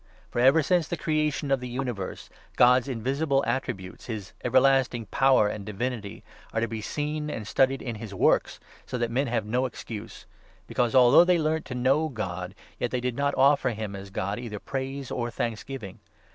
For ever since the creation of the universe God's invisible attri butes— his everlasting power and divinity — are to be seen and studied in his works, so that men have no excuse ; because, although they learnt to know God, yet they did not offer him as God either praise or thanksgiving.